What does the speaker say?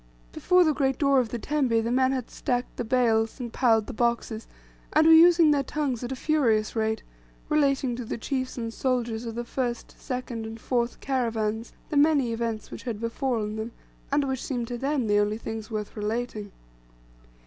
Before the great door of the tembe the men had stacked the bales, and piled the boxes, and were using their tongues at a furious rate, relating to the chiefs and soldiers of the first, second, and fourth caravans the many events which had befallen them, and which seemed to them the only things worth relating.